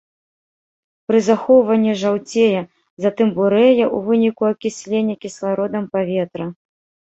Пры захоўванні жаўцее, затым бурэе ў выніку акіслення кіслародам паветра.